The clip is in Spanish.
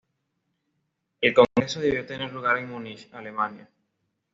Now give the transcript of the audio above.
El congreso debió tener lugar en Múnich, Alemania.